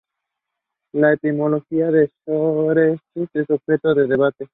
La etimología de 'Shoreditch' es objeto de debate.